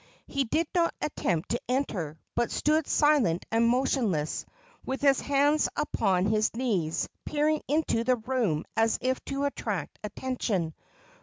He did not attempt to enter, but stood silent and motionless, with his hands upon his knees, peering into the room as if to attract attention.